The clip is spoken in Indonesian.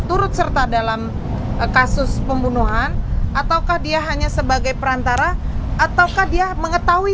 turut serta dalam kasus pembunuhan ataukah dia hanya sebagai perantara ataukah dia mengetahui